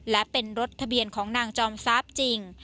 และเป็นรถทะเบียนของนางจอมทรัพย์จริง